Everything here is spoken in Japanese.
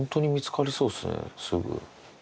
すぐ。